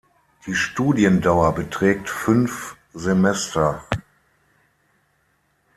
Die Studiendauer beträgt fünf Semester.